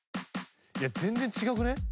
いや全然違くね？